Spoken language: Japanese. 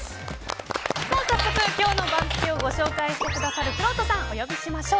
早速、今日の番付をご紹介してくださるくろうとさん、お呼びしましょう。